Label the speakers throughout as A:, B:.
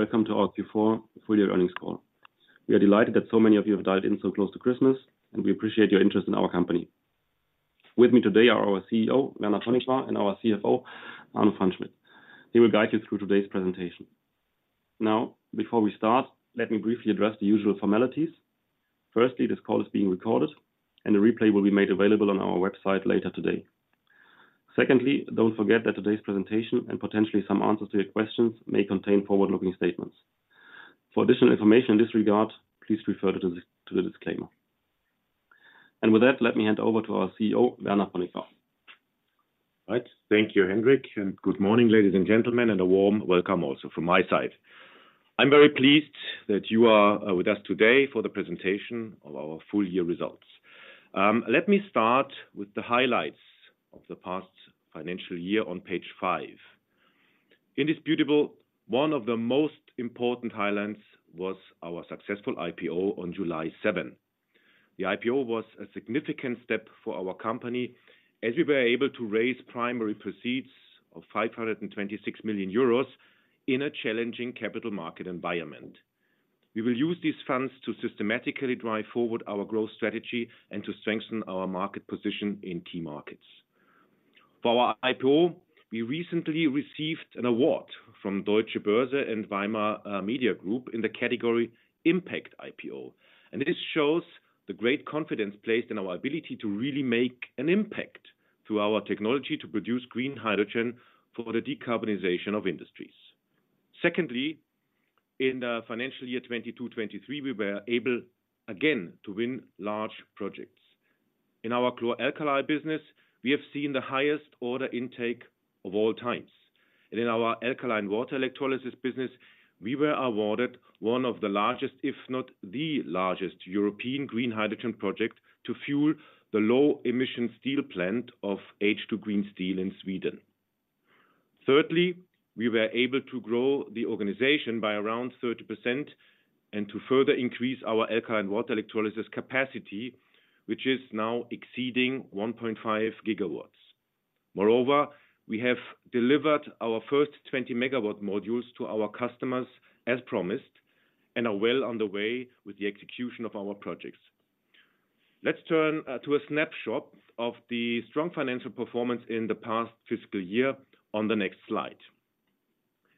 A: Everyone. Welcome to our Q4 full year earnings call. We are delighted that so many of you have dialed in so close to Christmas, and we appreciate your interest in our company. With me today are our CEO, Werner Ponikwar, and our CFO, Arno Pfannschmidt. They will guide you through today's presentation. Now, before we start, let me briefly address the usual formalities. Firstly, this call is being recorded, and a replay will be made available on our website later today. Secondly, don't forget that today's presentation, and potentially some answers to your questions, may contain forward-looking statements. For additional information in this regard, please refer to the, to the disclaimer. And with that, let me hand over to our CEO, Werner Ponikwar.
B: Right. Thank you, Hendrik, and good morning, ladies and gentlemen, and a warm welcome also from my side. I'm very pleased that you are with us today for the presentation of our full year results. Let me start with the highlights of the past financial year on page five. Indisputable, one of the most important highlights was our successful IPO on July seventh. The IPO was a significant step for our company, as we were able to raise primary proceeds of 526 million euros in a challenging capital market environment. We will use these funds to systematically drive forward our growth strategy and to strengthen our market position in key markets. For our IPO, we recently received an award from Deutsche Börse and Weimer Media Group in the category Impact IPO, and this shows the great confidence placed in our ability to really make an impact through our technology to produce green hydrogen for the decarbonization of industries. Secondly, in the financial year 2022-2023, we were able again to win large projects. In our chlor-alkali business, we have seen the highest order intake of all times. In our alkaline water electrolysis business, we were awarded one of the largest, if not the largest, European green hydrogen project to fuel the low-emission steel plant of H2 Green Steel in Sweden. Thirdly, we were able to grow the organization by around 30%, and to further increase our alkaline water electrolysis capacity, which is now exceeding 1.5 GW. Moreover, we have delivered our first 20 MW modules to our customers, as promised, and are well on the way with the execution of our projects. Let's turn to a snapshot of the strong financial performance in the past fiscal year on the next slide.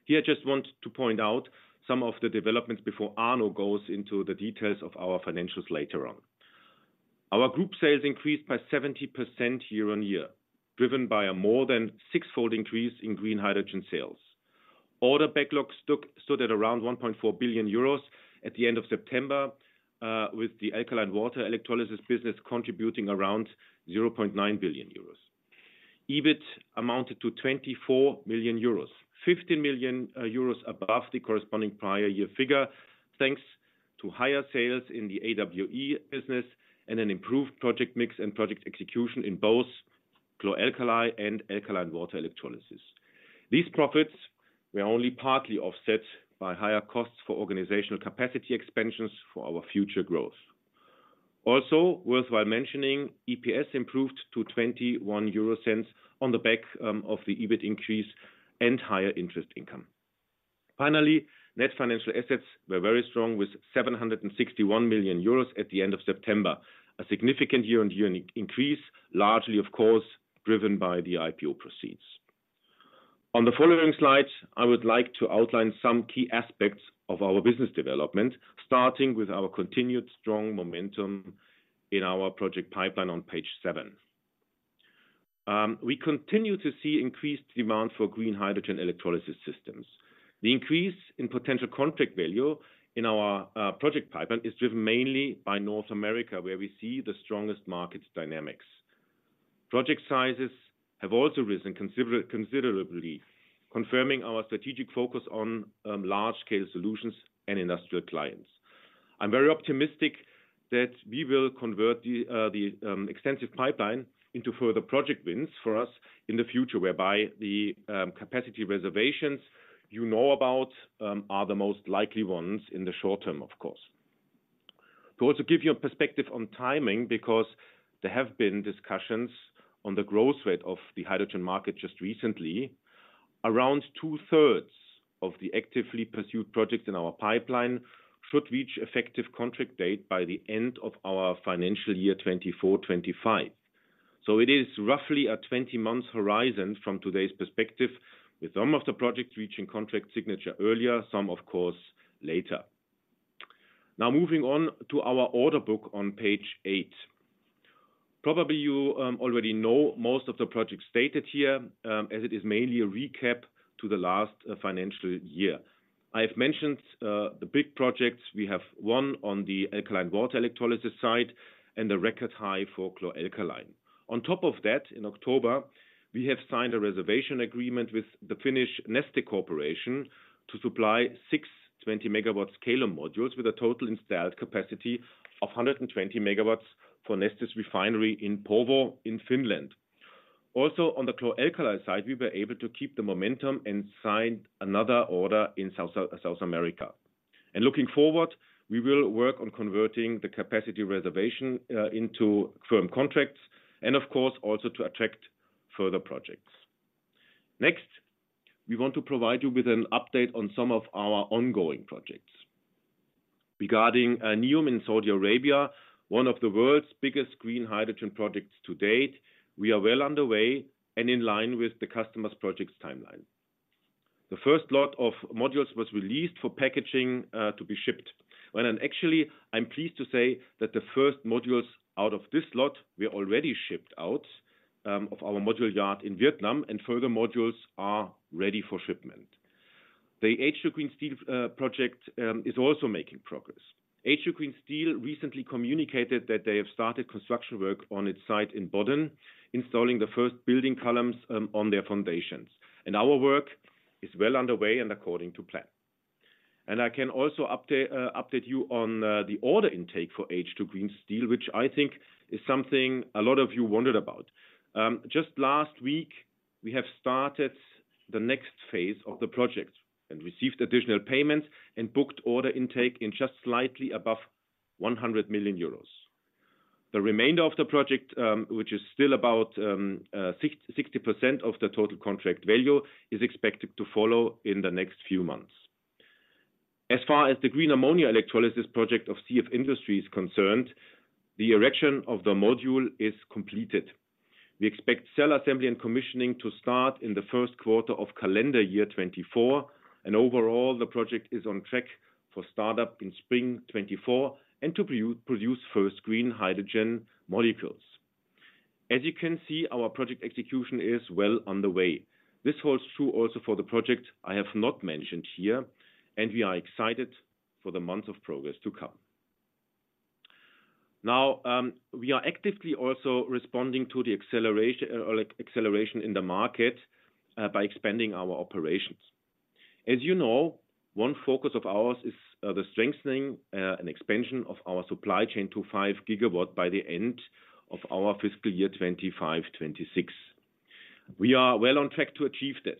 B: Here, I just want to point out some of the developments before Arno goes into the details of our financials later on. Our group sales increased by 70% year-on-year, driven by a more than six-fold increase in green hydrogen sales. Order backlogs stood at around 1.4 billion euros at the end of September, with the alkaline water electrolysis business contributing around 0.9 billion euros. EBIT amounted to 24 million euros, 50 million euros above the corresponding prior year figure, thanks to higher sales in the AWE business and an improved project mix and project execution in both chlor-alkali and alkaline water electrolysis. These profits were only partly offset by higher costs for organizational capacity expansions for our future growth. Also, worth mentioning, EPS improved to 0.21 on the back of the EBIT increase and higher interest income. Finally, net financial assets were very strong, with 761 million euros at the end of September, a significant year-on-year increase, largely, of course, driven by the IPO proceeds. On the following slides, I would like to outline some key aspects of our business development, starting with our continued strong momentum in our project pipeline on page seven. We continue to see increased demand for green hydrogen electrolysis systems. The increase in potential contract value in our project pipeline is driven mainly by North America, where we see the strongest market dynamics. Project sizes have also risen considerably, confirming our strategic focus on large-scale solutions and industrial clients. I'm very optimistic that we will convert the extensive pipeline into further project wins for us in the future, whereby the capacity reservations you know about are the most likely ones in the short term, of course. To also give you a perspective on timing, because there have been discussions on the growth rate of the hydrogen market just recently, around two-thirds of the actively pursued projects in our pipeline should reach effective contract date by the end of our financial year 2024-2025. So it is roughly a 20-month horizon from today's perspective, with some of the projects reaching contract signature earlier, some of course later. Now, moving on to our order book on page eight. Probably you already know most of the projects stated here, as it is mainly a recap to the last financial year. I have mentioned the big projects. We have one on the alkaline water electrolysis side and a record high for chlor-alkali. On top of that, in October, we have signed a reservation agreement with the Finnish Neste Corporation to supply six 20 MW scalum modules with a total installed capacity of 120 MW for Neste's refinery in Porvoo, in Finland. Also, on the chlor-alkali side, we were able to keep the momentum and signed another order in South America. And looking forward, we will work on converting the capacity reservation into firm contracts and, of course, also to further projects. Next, we want to provide you with an update on some of our ongoing projects. Regarding NEOM in Saudi Arabia, one of the world's biggest green hydrogen projects to date, we are well underway and in line with the customer's projects timeline. The first lot of modules was released for packaging to be shipped. Well, and actually, I'm pleased to say that the first modules out of this lot were already shipped out of our module yard in Vietnam, and further modules are ready for shipment. The H2 Green Steel project is also making progress. H2 Green Steel recently communicated that they have started construction work on its site in Boden, installing the first building columns on their foundations, and our work is well underway and according to plan. I can also update you on the order intake for H2 Green Steel, which I think is something a lot of you wondered about. Just last week, we have started the next phase of the project and received additional payments and booked order intake in just slightly above 100 million euros. The remainder of the project, which is still about 60% of the total contract value, is expected to follow in the next few months. As far as the green ammonia electrolysis project of CF Industries is concerned, the erection of the module is completed. We expect cell assembly and commissioning to start in the first quarter of calendar year 2024, and overall, the project is on track for startup in spring 2024 and to produce first green hydrogen molecules. As you can see, our project execution is well on the way. This holds true also for the project I have not mentioned here, and we are excited for the months of progress to come. Now, we are actively also responding to the acceleration in the market by expanding our operations. As you know, one focus of ours is the strengthening and expansion of our supply chain to 5 GW by the end of our fiscal year 2025-2026. We are well on track to achieve this,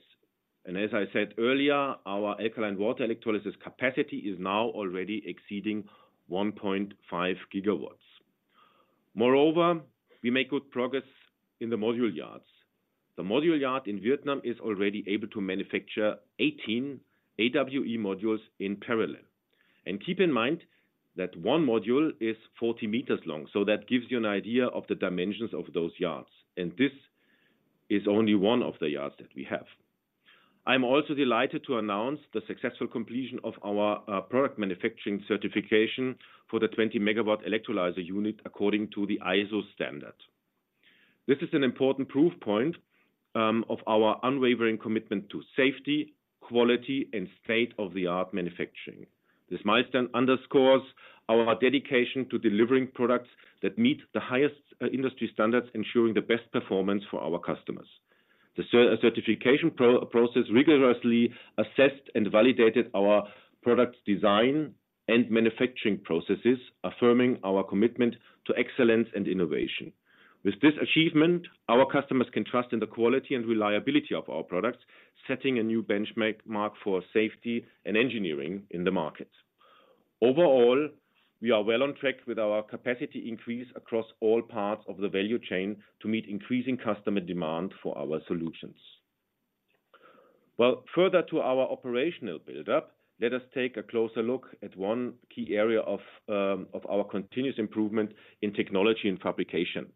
B: and as I said earlier, our alkaline water electrolysis capacity is now already exceeding 1.5 GW. Moreover, we make good progress in the module yards. The module yard in Vietnam is already able to manufacture 18 AWE modules in parallel. And keep in mind that one module is 40 meters long, so that gives you an idea of the dimensions of those yards, and this is only one of the yards that we have. I'm also delighted to announce the successful completion of our product manufacturing certification for the 20 MW electrolyzer unit, according to the ISO standard. This is an important proof point of our unwavering commitment to safety, quality, and state-of-the-art manufacturing. This milestone underscores our dedication to delivering products that meet the highest industry standards, ensuring the best performance for our customers. The certification process rigorously assessed and validated our product design and manufacturing processes, affirming our commitment to excellence and innovation. With this achievement, our customers can trust in the quality and reliability of our products, setting a new benchmark mark for safety and engineering in the market. Overall, we are well on track with our capacity increase across all parts of the value chain to meet increasing customer demand for our solutions. Well, further to our operational build-up, let us take a closer look at one key area of our continuous improvement in technology and fabrication: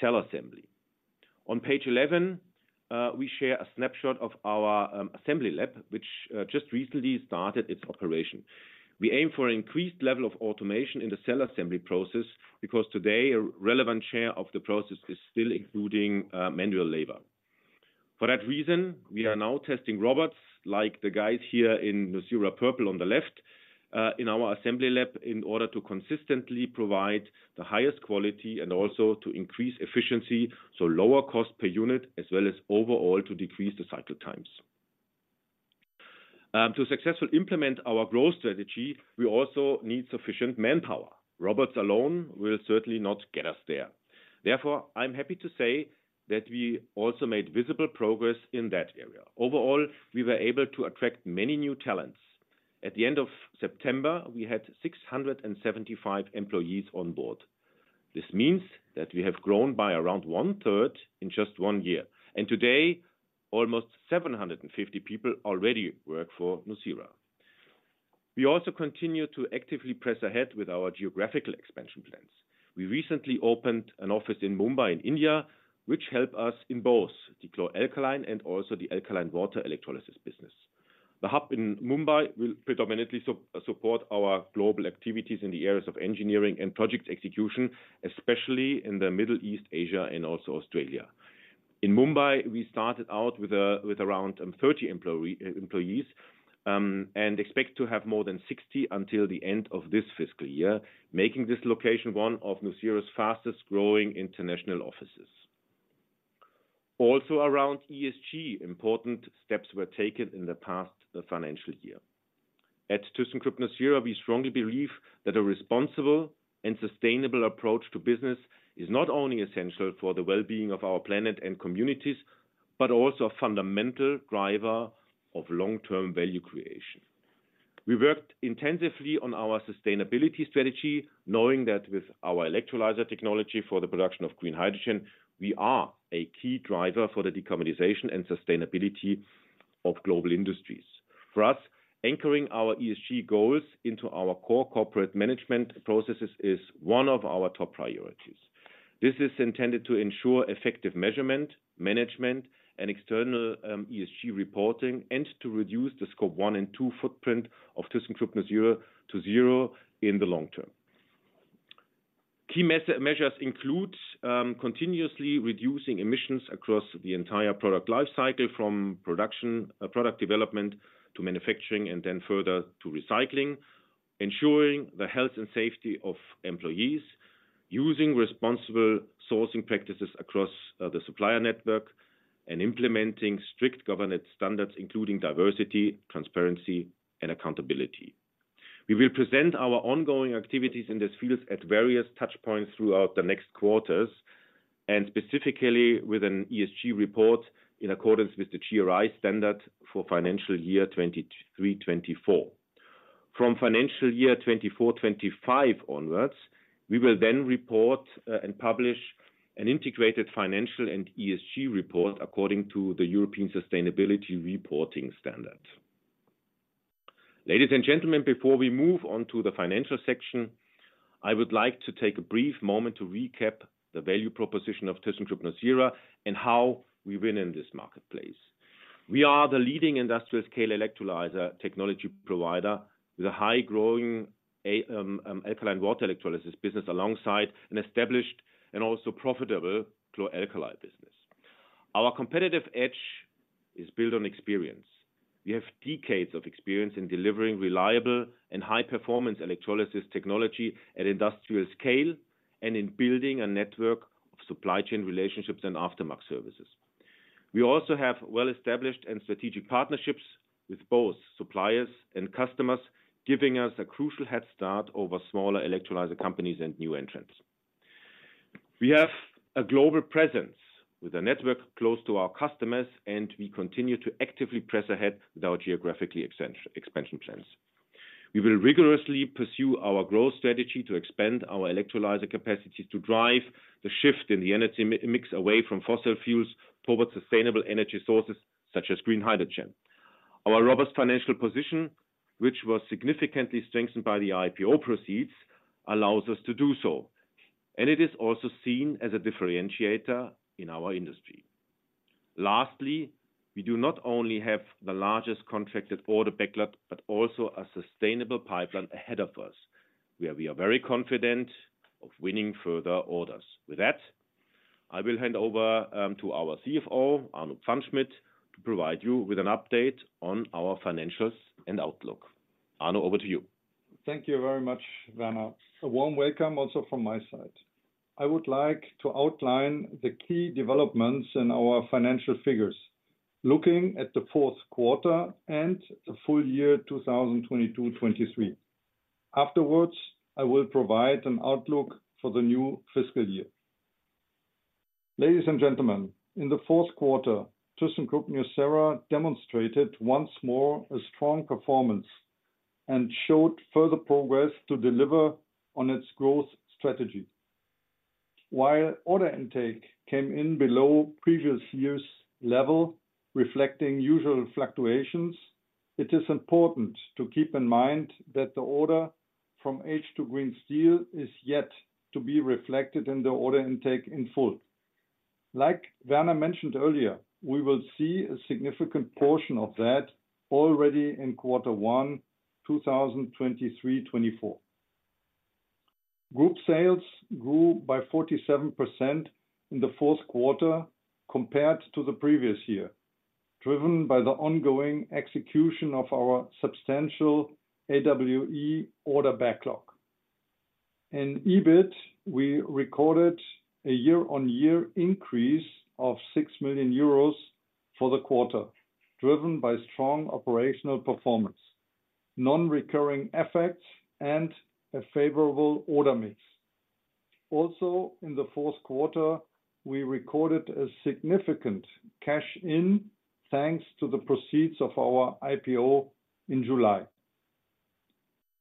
B: cell assembly. On page 11, we share a snapshot of our assembly lab, which just recently started its operation. We aim for an increased level of automation in the cell assembly process, because today, a relevant share of the process is still including manual labor. For that reason, we are now testing robots, like the guys here in Nucera purple on the left, in our assembly lab, in order to consistently provide the highest quality and also to increase efficiency, so lower cost per unit, as well as overall to decrease the cycle times. To successfully implement our growth strategy, we also need sufficient manpower. Robots alone will certainly not get us there. Therefore, I'm happy to say that we also made visible progress in that area. Overall, we were able to attract many new talents. At the end of September, we had 675 employees on board. This means that we have grown by around one-third in just one year, and today, almost 750 people already work for Nucera. We also continue to actively press ahead with our geographical expansion plans. We recently opened an office in Mumbai, in India, which help us in both the chlor-alkali and also the alkaline water electrolysis business. The hub in Mumbai will predominantly support our global activities in the areas of engineering and project execution, especially in the Middle East, Asia, and also Australia. In Mumbai, we started out with around 30 employees, and expect to have more than 60 until the end of this fiscal year, making this location one of nucera's fastest-growing international offices. Also, around ESG, important steps were taken in the past financial year. At thyssenkrupp nucera, we strongly believe that a responsible and sustainable approach to business is not only essential for the well-being of our planet and communities, but also a fundamental driver of long-term value creation. We worked intensively on our sustainability strategy, knowing that with our electrolyzer technology for the production of green hydrogen, we are a key driver for the decarbonization and sustainability of global industries. For us, anchoring our ESG goals into our core corporate management processes is one of our top priorities. This is intended to ensure effective measurement, management, and external ESG reporting, and to reduce the scope one and two footprint of thyssenkrupp nucera to zero in the long term. Key measures includes continuously reducing emissions across the entire product life cycle, from production, product development to manufacturing, and then further to recycling. Ensuring the health and safety of employees, using responsible sourcing practices across the supplier network, and implementing strict governance standards, including diversity, transparency, and accountability. We will present our ongoing activities in this field at various touchpoints throughout the next quarters, and specifically with an ESG report in accordance with the GRI standard for financial year 2023-2024. From financial year 2024-2025 onwards, we will then report and publish an integrated financial and ESG report according to the European Sustainability Reporting Standard. Ladies and gentlemen, before we move on to the financial section, I would like to take a brief moment to recap the value proposition of thyssenkrupp nucera and how we win in this marketplace. We are the leading industrial scale electrolyzer technology provider, with a high-growing alkaline water electrolysis business alongside an established and also profitable chlor-alkali business. Our competitive edge is built on experience. We have decades of experience in delivering reliable and high-performance electrolysis technology at industrial scale, and in building a network of supply chain relationships and aftermarket services. We also have well-established and strategic partnerships with both suppliers and customers, giving us a crucial head start over smaller electrolyzer companies and new entrants. We have a global presence with a network close to our customers, and we continue to actively press ahead with our geographically expansion plans. We will rigorously pursue our growth strategy to expand our electrolyzer capacity to drive the shift in the energy mix away from fossil fuels towards sustainable energy sources, such as green hydrogen. Our robust financial position, which was significantly strengthened by the IPO proceeds, allows us to do so, and it is also seen as a differentiator in our industry. Lastly, we do not only have the largest contracted order backlog, but also a sustainable pipeline ahead of us, where we are very confident of winning further orders. With that, I will hand over to our CFO, Arno Pfannschmidt, to provide you with an update on our financials and outlook. Arno, over to you.
C: Thank you very much, Werner. A warm welcome also from my side. I would like to outline the key developments in our financial figures, looking at the fourth quarter and the full year, 2022-2023. Afterwards, I will provide an outlook for the new fiscal year. Ladies and gentlemen, in the fourth quarter, thyssenkrupp nucera demonstrated once more a strong performance and showed further progress to deliver on its growth strategy. While order intake came in below previous years' level, reflecting usual fluctuations, it is important to keep in mind that the order from H2 Green Steel is yet to be reflected in the order intake in full. Like Werner mentioned earlier, we will see a significant portion of that already in quarter one, 2023-24. Group sales grew by 47% in the fourth quarter compared to the previous year, driven by the ongoing execution of our substantial AWE order backlog. In EBIT, we recorded a year-on-year increase of 6 million euros for the quarter, driven by strong operational performance, non-recurring effects, and a favorable order mix. Also, in the fourth quarter, we recorded a significant cash in, thanks to the proceeds of our IPO in July.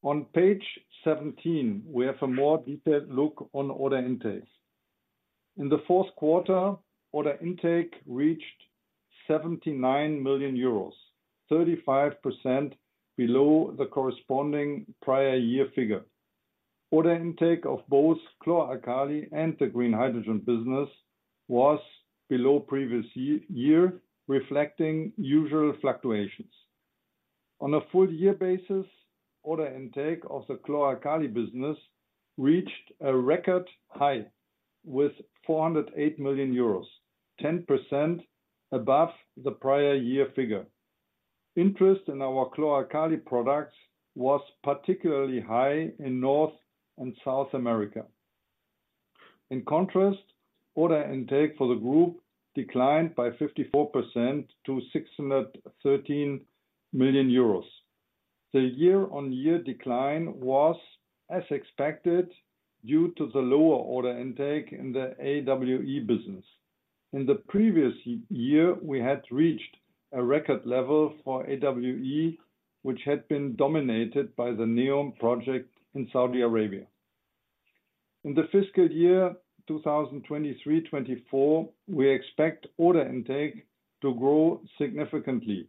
C: On page 17, we have a more detailed look on order intakes. In the fourth quarter, order intake reached 79 million euros, 35% below the corresponding prior year figure. Order intake of both chlor-alkali and the green hydrogen business was below previous year, reflecting usual fluctuations. On a full year basis, order intake of the chlor-alkali business reached a record high with 408 million euros, 10% above the prior year figure. Interest in our chlor-alkali products was particularly high in North and South America. In contrast, order intake for the group declined by 54% to 613 million euros. The year-on-year decline was as expected, due to the lower order intake in the AWE business. In the previous year, we had reached a record level for AWE, which had been dominated by the NEOM project in Saudi Arabia. In the fiscal year 2023-2024, we expect order intake to grow significantly,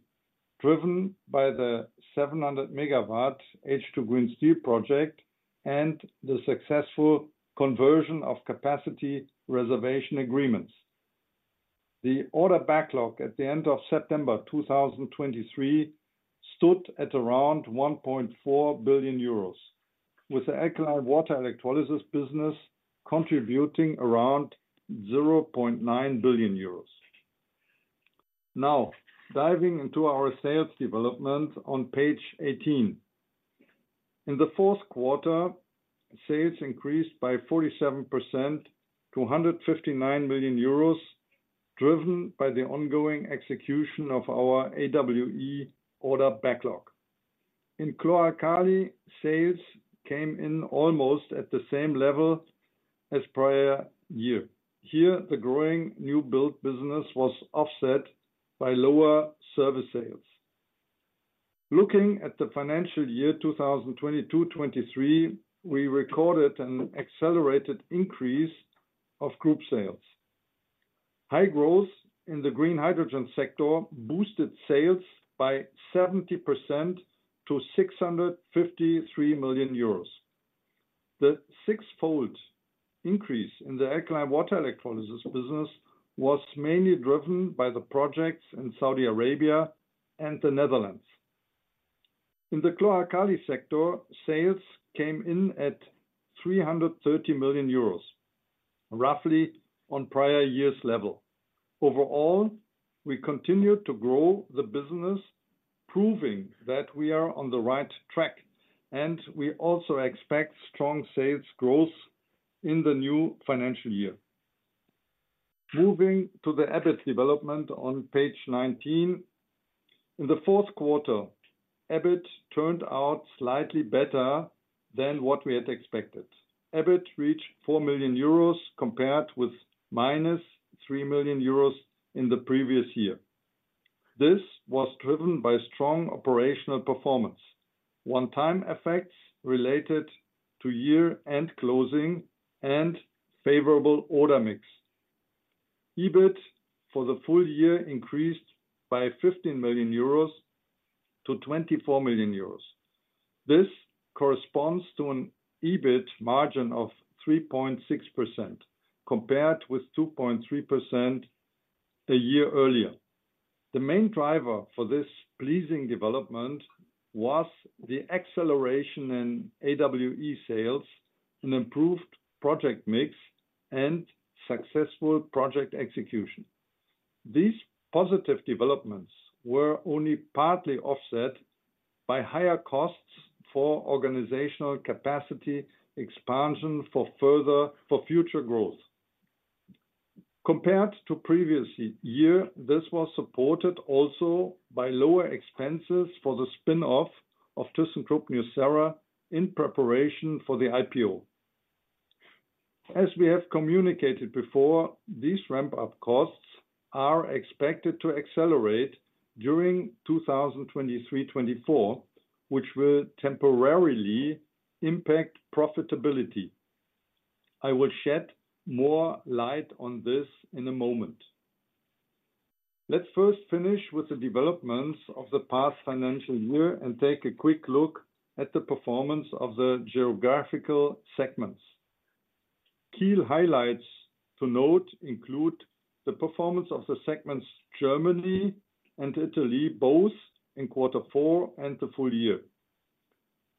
C: driven by the 700 MW H2 Green Steel project and the successful conversion of capacity reservation agreements. The order backlog at the end of September 2023 stood at around 1.4 billion euros, with the alkaline water electrolysis business contributing around 0.9 billion euros. Now, diving into our sales development on page 18. In the fourth quarter, sales increased by 47% to 159 billion euros, driven by the ongoing execution of our AWE order backlog. In chlor-alkali, sales came in almost at the same level as prior year. Here, the growing new build business was offset by lower service sales. Looking at the financial year 2022-2023, we recorded an accelerated increase of group sales. High growth in the green hydrogen sector boosted sales by 70% to 653 million euros. The sixfold increase in the alkaline water electrolysis business was mainly driven by the projects in Saudi Arabia and the Netherlands. In the chlor-alkali sector, sales came in at 330 million euros, roughly on prior year's level. Overall, we continued to grow the business, proving that we are on the right track, and we also expect strong sales growth in the new financial year. Moving to the EBIT development on page 19. In the fourth quarter, EBIT turned out slightly better than what we had expected. EBIT reached 4 million euros, compared with -3 million euros in the previous year. This was driven by strong operational performance, one-time effects related to year-end closing and favorable order mix. EBIT for the full year increased by 15 million euros to 24 million euros. This corresponds to an EBIT margin of 3.6%, compared with 2.3% a year earlier. The main driver for this pleasing development was the acceleration in AWE sales, an improved project mix, and successful project execution. These positive developments were only partly offset by higher costs for organizational capacity expansion for future growth. Compared to previous year, this was supported also by lower expenses for the spin-off of thyssenkrupp nucera in preparation for the IPO. As we have communicated before, these ramp-up costs are expected to accelerate during 2023, 2024, which will temporarily impact profitability. I will shed more light on this in a moment. Let's first finish with the developments of the past financial year and take a quick look at the performance of the geographical segments. Key highlights to note include the performance of the segments Germany and Italy, both in quarter four and the full year.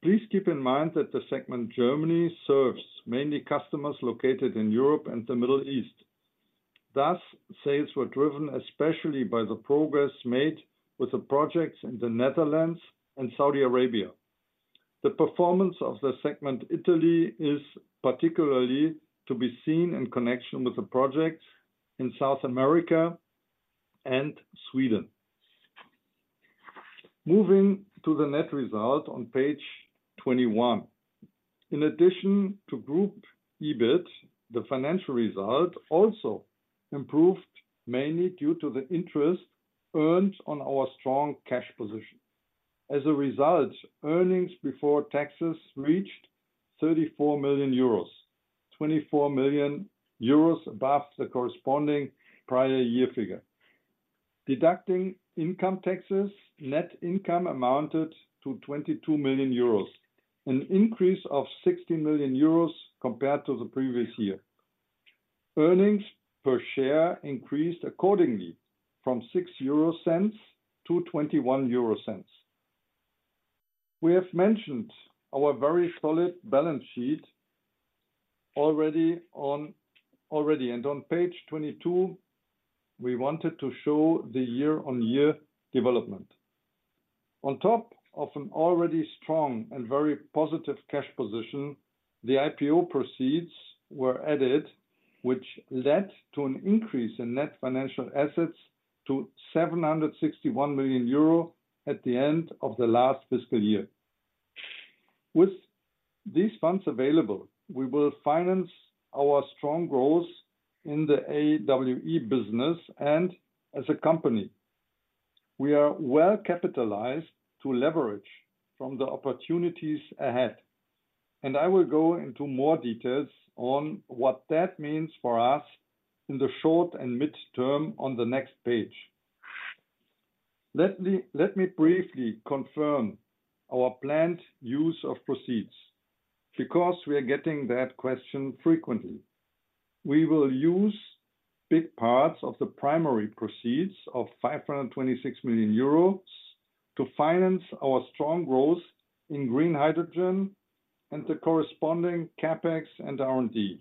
C: Please keep in mind that the segment Germany serves mainly customers located in Europe and the Middle East. Thus, sales were driven, especially by the progress made with the projects in the Netherlands and Saudi Arabia. The performance of the segment Italy is particularly to be seen in connection with the projects in South America and Sweden. Moving to the net result on page 21. In addition to group EBIT, the financial result also improved, mainly due to the interest earned on our strong cash position. As a result, earnings before taxes reached 34 million euros, 24 million euros above the corresponding prior year figure. Deducting income taxes, net income amounted to 22 million euros, an increase of 60 million euros compared to the previous year. Earnings per share increased accordingly, from 0.06 to 0.21. We have mentioned our very solid balance sheet already, and on page 22, we wanted to show the year-on-year development. On top of an already strong and very positive cash position, the IPO proceeds were added, which led to an increase in net financial assets to 761 million euro at the end of the last fiscal year. With these funds available, we will finance our strong growth in the AWE business, and as a company, we are well-capitalized to leverage from the opportunities ahead. I will go into more details on what that means for us in the short and mid-term on the next page. Let me briefly confirm our planned use of proceeds, because we are getting that question frequently. We will use big parts of the primary proceeds of 526 million euros to finance our strong growth in green hydrogen and the corresponding CapEx and R&D.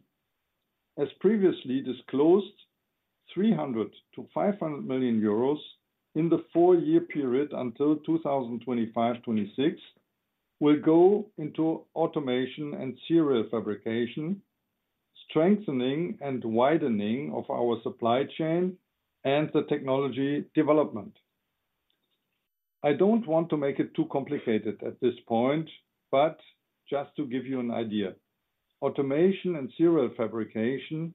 C: As previously disclosed, 300 million-500 million euros in the four-year period until 2025-2026 will go into automation and serial fabrication, strengthening and widening of our supply chain, and the technology development. I don't want to make it too complicated at this point, but just to give you an idea, automation and serial fabrication,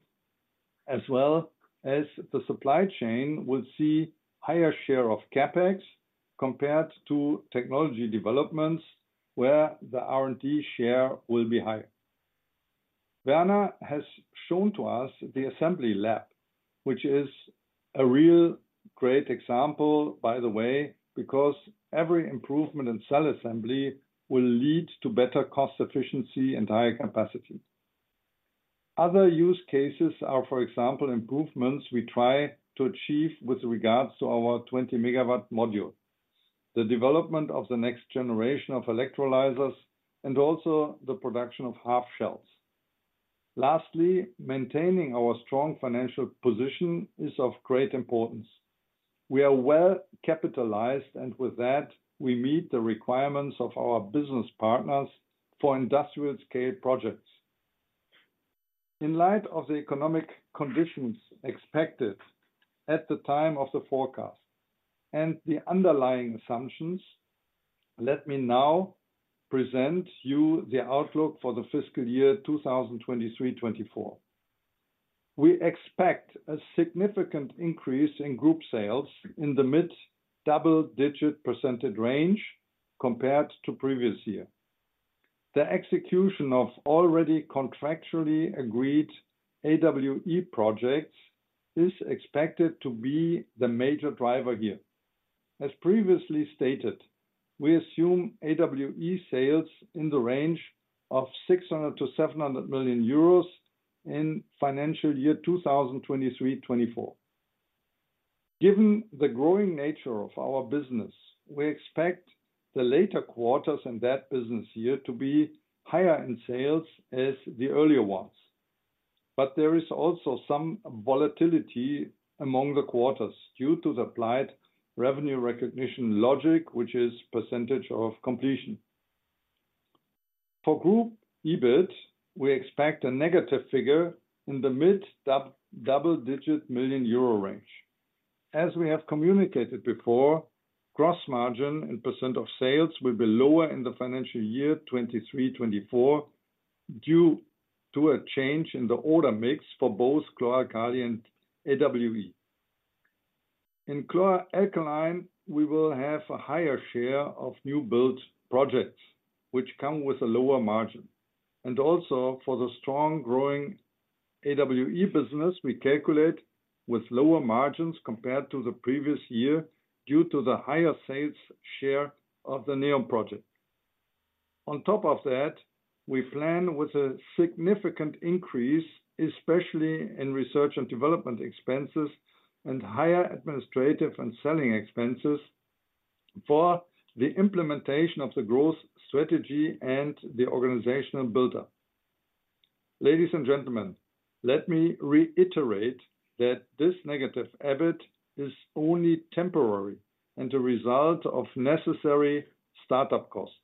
C: as well as the supply chain, will see higher share of CapEx compared to technology developments, where the R&D share will be higher. Werner has shown to us the assembly lab, which is a real great example, by the way, because every improvement in cell assembly will lead to better cost efficiency and higher capacity. Other use cases are, for example, improvements we try to achieve with regards to our 20 MW module, the development of the next generation of electrolyzers, and also the production of half shells. Lastly, maintaining our strong financial position is of great importance. We are well-capitalized, and with that, we meet the requirements of our business partners for industrial scale projects. In light of the economic conditions expected at the time of the forecast and the underlying assumptions, let me now present you the outlook for the fiscal year 2023-24. We expect a significant increase in group sales in the mid-double-digit % range compared to previous year. The execution of already contractually agreed AWE projects is expected to be the major driver here. As previously stated, we assume AWE sales in the range of 600 million-700 million euros in financial year 2023-24. Given the growing nature of our business, we expect the later quarters in that business year to be higher in sales as the earlier ones. But there is also some volatility among the quarters due to the applied revenue recognition logic, which is percentage of completion. For group EBIT, we expect a negative figure in the mid-double-digit million EUR range. As we have communicated before, gross margin and % of sales will be lower in the financial year 2023-2024, due to a change in the order mix for both chlor-alkali and AWE. In chlor-alkali, we will have a higher share of new build projects, which come with a lower margin. And also, for the strong growing AWE business, we calculate with lower margins compared to the previous year, due to the higher sales share of the NEOM project. On top of that, we plan with a significant increase, especially in research and development expenses and higher administrative and selling expenses, for the implementation of the growth strategy and the organizational buildup. Ladies and gentlemen, let me reiterate that this negative EBIT is only temporary and a result of necessary startup costs.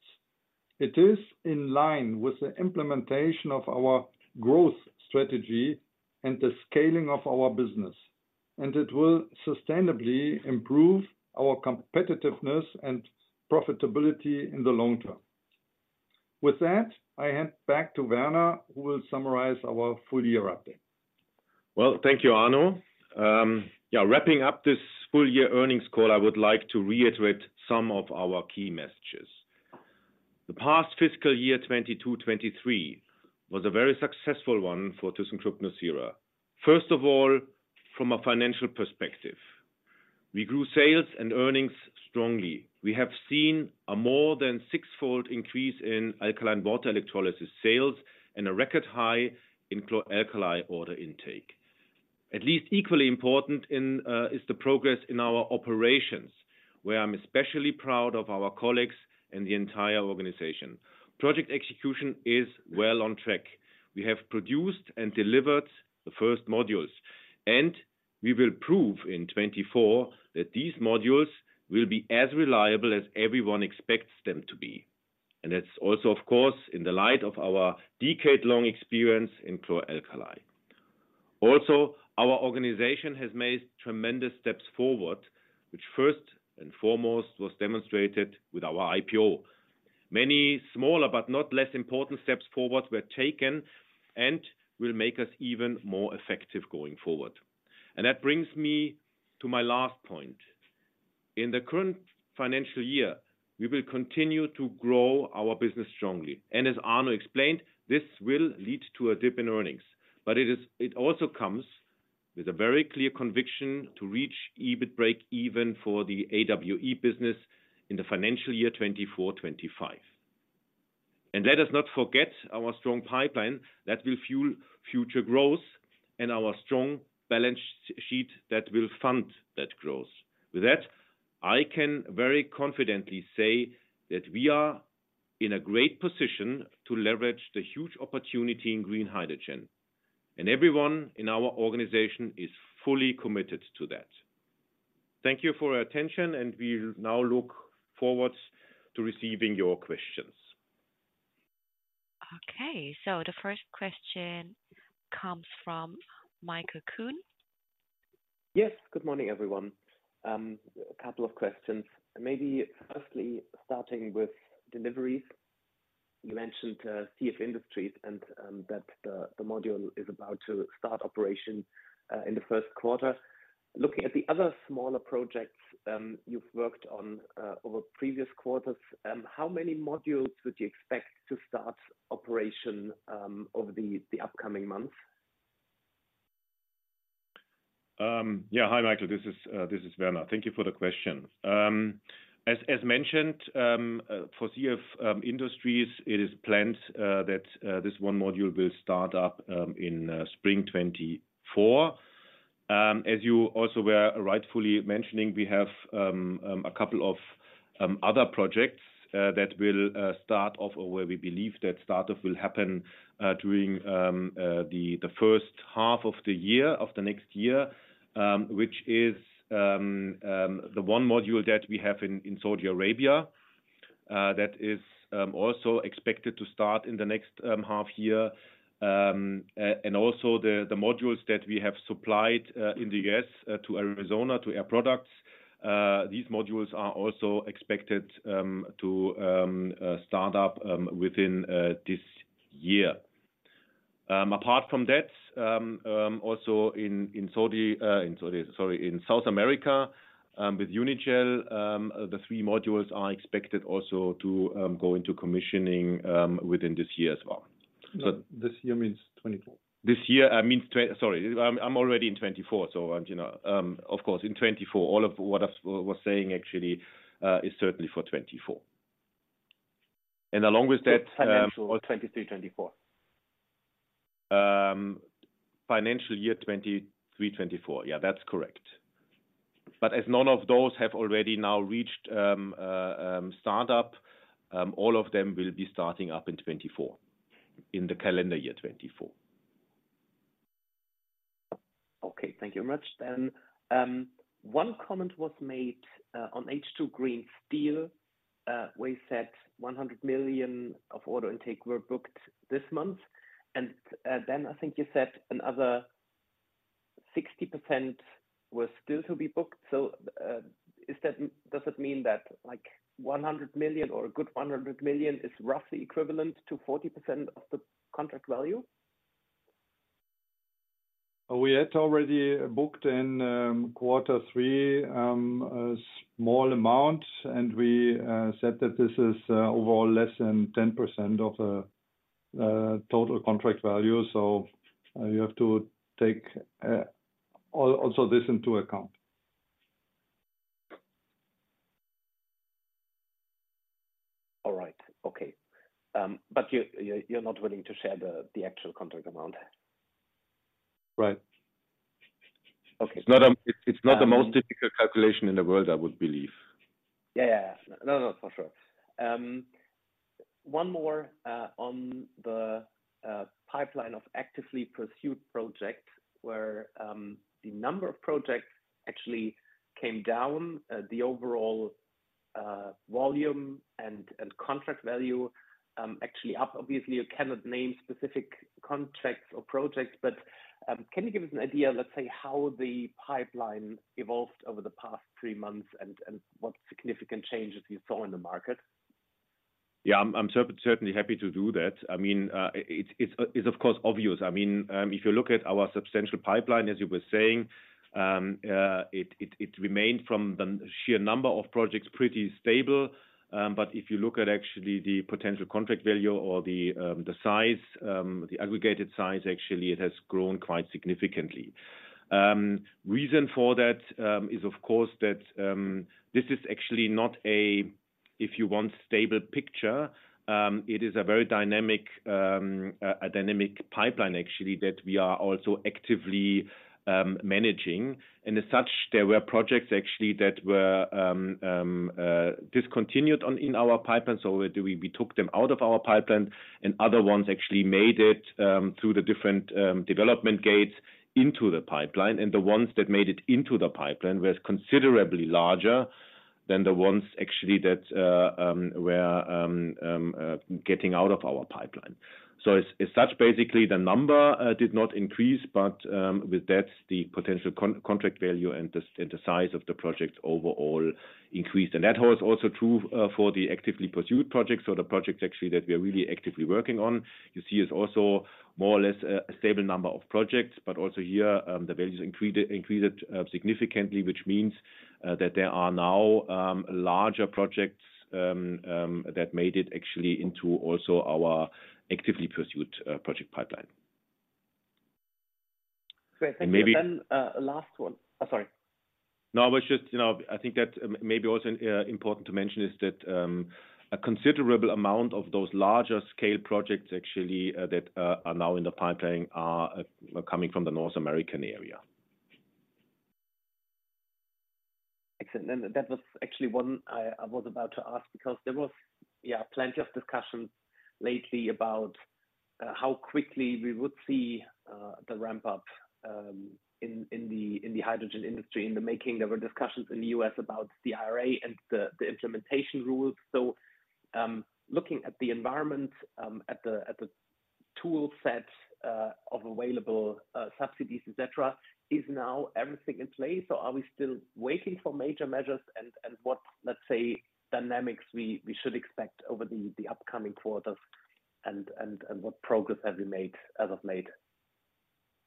C: It is in line with the implementation of our growth strategy and the scaling of our business, and it will sustainably improve our competitiveness and profitability in the long term. With that, I hand back to Werner, who will summarize our full year update.
B: Well, thank you, Arno. Yeah, wrapping up this full year earnings call, I would like to reiterate some of our key messages. The past fiscal year, 2022-2023, was a very successful one for thyssenkrupp nucera. First of all, from a financial perspective, we grew sales and earnings strongly. We have seen a more than sixfold increase in alkaline water electrolysis sales and a record high in chlor-alkali order intake. At least equally important is the progress in our operations, where I'm especially proud of our colleagues and the entire organization. Project execution is well on track. We have produced and delivered the first modules, and we will prove in 2024 that these modules will be as reliable as everyone expects them to be. And that's also, of course, in the light of our decade-long experience in chlor-alkali. Also, our organization has made tremendous steps forward, which first and foremost was demonstrated with our IPO. Many smaller, but not less important, steps forward were taken and will make us even more effective going forward. That brings me to my last point. In the current financial year, we will continue to grow our business strongly, and as Arno explained, this will lead to a dip in earnings. But it is—it also comes with a very clear conviction to reach EBIT break even for the AWE business in the financial year 2024-2025. Let us not forget our strong pipeline that will fuel future growth and our strong balance sheet that will fund that growth. With that, I can very confidently say that we are in a great position to leverage the huge opportunity in green hydrogen, and everyone in our organization is fully committed to that. Thank you for your attention, and we now look forward to receiving your questions.
D: Okay, the first question comes from Michael Kuhn.
E: Yes. Good morning, everyone. A couple of questions. Maybe firstly, starting with deliveries. You mentioned CF Industries and that the module is about to start operation in the first quarter. Looking at the other smaller projects you've worked on over previous quarters, how many modules would you expect to start operation over the upcoming months?
B: Yeah. Hi, Michael, this is Werner. Thank you for the question. As mentioned, for CF Industries, it is planned that this one module will start up in spring 2024. As you also were rightfully mentioning, we have a couple of other projects that will start off, or where we believe that start-up will happen during the first half of the year, of the next year. Which is the one module that we have in Saudi Arabia that is also expected to start in the next half year. And also the modules that we have supplied in the U.S. to Arizona, to Air Products. These modules are also expected to start up within this year. Apart from that, also in South America, with Unigel, the three modules are expected also to go into commissioning within this year as well. So-
C: This year means 2024.
B: This year, I mean, sorry, I'm already in 2024, so, you know, of course, in 2024. All of what I was saying actually is certainly for 2024. And along with that,
C: Financial 2023, 2024.
B: Financial year 2023, 2024. Yeah, that's correct. But as none of those have already now reached start up, all of them will be starting up in 2024, in the calendar year 2024.
E: Okay. Thank you very much. Then, one comment was made on H2 Green Steel, where you said 100 million of order intake were booked this month, and, then I think you said another 60% was still to be booked. So, is that—does it mean that like 100 million or a good 100 million is roughly equivalent to 40% of the contract value?
C: We had already booked in quarter three a small amount, and we said that this is overall less than 10% of the total contract value. So, you have to take also this into account.
E: All right. Okay. But you're not willing to share the actual contract amount?
C: Right.
E: Okay.
C: It's not the most difficult calculation in the world, I would believe.
E: Yeah, yeah. No, no, for sure. One more on the pipeline of actively pursued projects, where the number of projects actually came down, the overall volume and contract value actually up. Obviously, you cannot name specific contracts or projects, but can you give us an idea, let's say, how the pipeline evolved over the past three months and what significant changes you saw in the market?
B: Yeah, I'm certainly happy to do that. I mean, it's, of course, obvious. I mean, if you look at our substantial pipeline, as you were saying, it remained from the sheer number of projects, pretty stable. But if you look at actually the potential contract value or the, the size, the aggregated size, actually, it has grown quite significantly. Reason for that is, of course, that this is actually not a, if you want, stable picture. It is a very dynamic, a dynamic pipeline actually, that we are also actively managing. As such, there were projects actually that were discontinued in our pipeline, so we took them out of our pipeline, and other ones actually made it through the different development gates into the pipeline. The ones that made it into the pipeline were considerably larger than the ones actually that were getting out of our pipeline. As such, basically, the number did not increase, but with that, the potential contract value and the size of the project overall increased. That was also true for the actively pursued projects or the projects actually that we are really actively working on. You see, it's also more or less a stable number of projects, but also here, the values increased significantly, which means that there are now larger projects that made it actually into also our actively pursued project pipeline.
E: Great, thank you.
B: Maybe-
E: And then, last one. Sorry.
B: No, I was just, you know, I think that maybe also important to mention is that a considerable amount of those larger-scale projects actually that are now in the pipeline are coming from the North American area.
E: Excellent. That was actually one I was about to ask, because there was, yeah, plenty of discussions lately about how quickly we would see the ramp up in the hydrogen industry in the making. There were discussions in the U.S. about the IRA and the implementation rules. So, looking at the environment at the tool set of available subsidies, et cetera, is now everything in place, or are we still waiting for major measures? And what, let's say, dynamics we should expect over the upcoming quarters and what progress have we made as of late?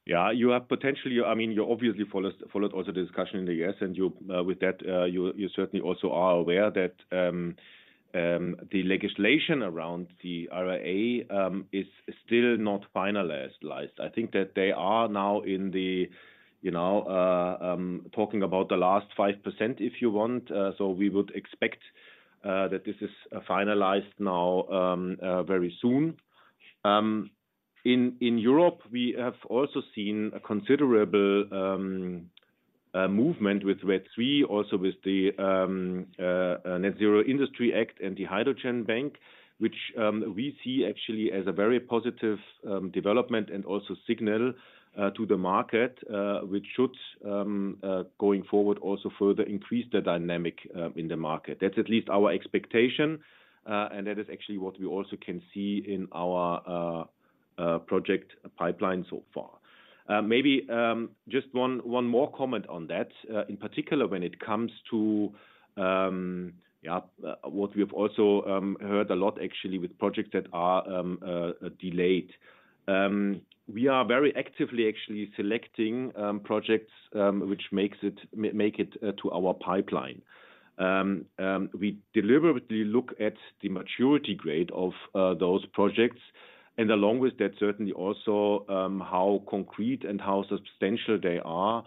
B: Yeah, you have potentially, I mean, you obviously followed also the discussion in the U.S., and you, with that, you certainly also are aware that the legislation around the IRA is still not finalized. I think that they are now in the, you know, talking about the last 5%, if you want. So we would expect that this is finalized now very soon. In Europe, we have also seen a considerable movement with RED III, also with the Net Zero Industry Act and the Hydrogen Bank, which we see actually as a very positive development and also signal to the market, which should going forward also further increase the dynamic in the market. That's at least our expectation, and that is actually what we also can see in our project pipeline so far. Maybe just one more comment on that. In particular, when it comes to, yeah, what we have also heard a lot, actually, with projects that are delayed. We are very actively actually selecting projects which make it to our pipeline. We deliberately look at the maturity grade of those projects, and along with that, certainly also how concrete and how substantial they are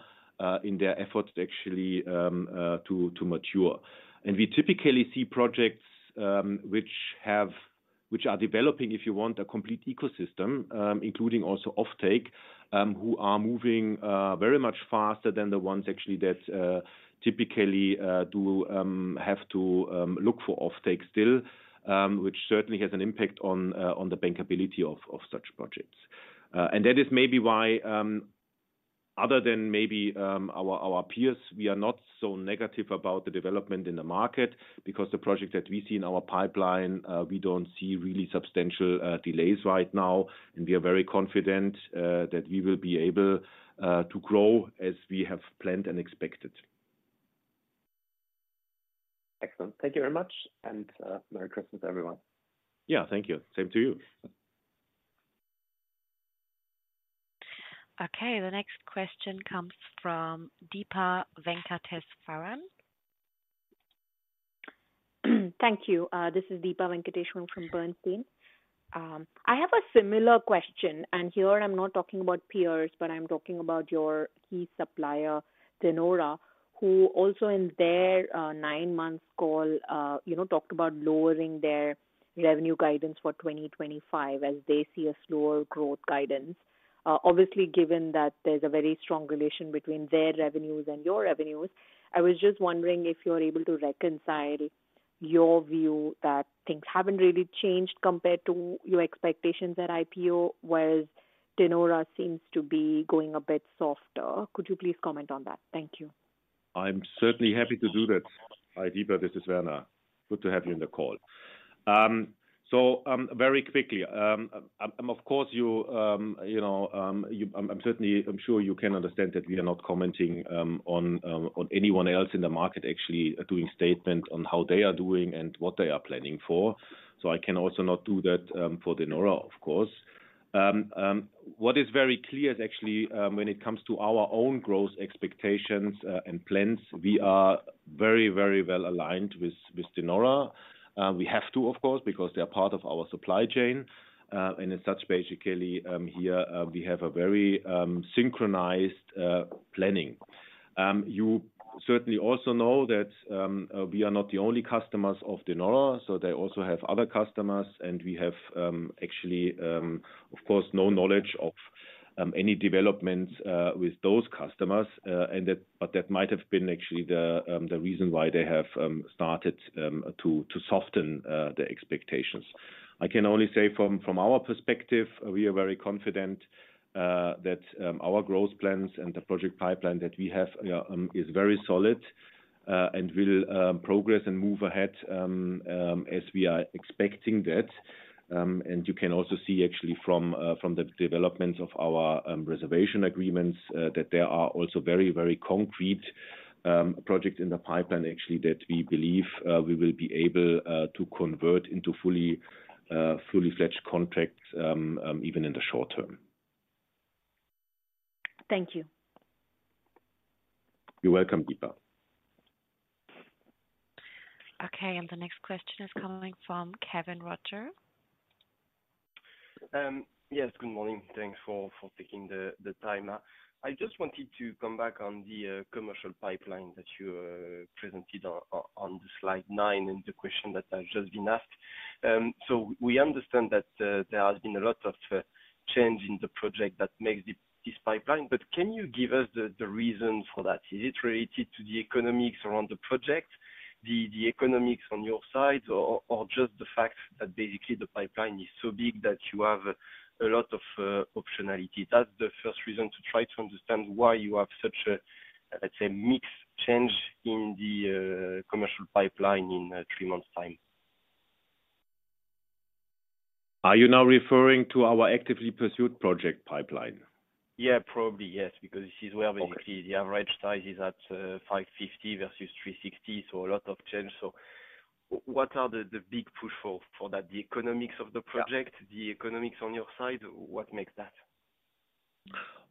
B: in their efforts actually to mature. We typically see projects which are developing, if you want, a complete ecosystem, including also offtake, who are moving very much faster than the ones actually that typically do have to look for offtake still, which certainly has an impact on the bankability of such projects. That is maybe why, other than maybe our peers, we are not so negative about the development in the market, because the project that we see in our pipeline we don't see really substantial delays right now, and we are very confident that we will be able to grow as we have planned and expected.
E: Excellent. Thank you very much, and merry Christmas, everyone.
B: Yeah, thank you. Same to you.
D: Okay, the next question comes from Deepa Venkateswaran.
F: Thank you. This is Deepa Venkateswaran from Bernstein. I have a similar question, and here I'm not talking about peers, but I'm talking about your key supplier, De Nora, who also in their nine months call, you know, talked about lowering their revenue guidance for 2025 as they see a slower growth guidance. Obviously, given that there's a very strong relation between their revenues and your revenues, I was just wondering if you are able to reconcile your view that things haven't really changed compared to your expectations at IPO, whereas De Nora seems to be going a bit softer. Could you please comment on that? Thank you.
B: I'm certainly happy to do that. Hi, Deepa, this is Werner. Good to have you on the call. So, very quickly, of course, you know, I'm certainly, I'm sure you can understand that we are not commenting on anyone else in the market, actually, doing statement on how they are doing and what they are planning for. So I can also not do that for De Nora, of course. What is very clear is actually, when it comes to our own growth expectations and plans, we are very, very well aligned with De Nora. We have to, of course, because they are part of our supply chain and as such, basically, here, we have a very synchronized planning. You certainly also know that we are not the only customers of De Nora, so they also have other customers, and we have, actually, of course, no knowledge of any developments with those customers, and that—but that might have been actually the reason why they have started to soften the expectations. I can only say from our perspective, we are very confident that our growth plans and the project pipeline that we have is very solid... and will progress and move ahead as we are expecting that. And you can also see actually from the development of our reservation agreements that there are also very, very concrete projects in the pipeline actually, that we believe we will be able to convert into fully-fledged contracts even in the short term.
F: Thank you.
B: You're welcome, Deepa.
D: Okay, the next question is coming from Kévin Roger.
G: Yes, good morning. Thanks for taking the time. I just wanted to come back on the commercial pipeline that you presented on slide 9, and the question that has just been asked. So we understand that there has been a lot of change in the project that makes this pipeline, but can you give us the reason for that? Is it related to the economics around the project, the economics on your side, or just the fact that basically the pipeline is so big that you have a lot of optionality? That's the first reason to try to understand why you have such a, let's say, mixed change in the commercial pipeline in three months' time.
B: Are you now referring to our actively pursued project pipeline?
G: Yeah, probably, yes, because this is where-
B: Okay...
G: basically, the average size is at 550 versus 360, so a lot of change. So what are the big push for that? The economics of the project-
B: Yeah...
G: the economics on your side? What makes that?